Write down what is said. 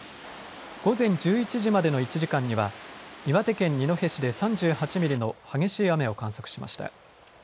午前１１時までの１時間には岩手県二戸市で３８ミリの激しい雨を観測しました。